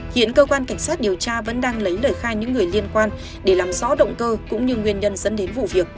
hiện cơ quan cảnh sát điều tra vẫn đang lấy lời khai những người liên quan để làm rõ động cơ cũng như nguyên nhân dẫn đến vụ việc